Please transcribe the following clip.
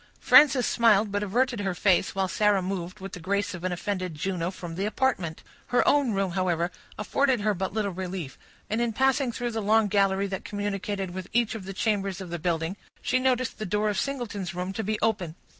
Frances smiled, but averted her face, while Sarah moved, with the grace of an offended Juno, from the apartment. Her own room, however, afforded her but little relief, and in passing through the long gallery that communicated with each of the chambers of the building, she noticed the door of Singleton's room to be open.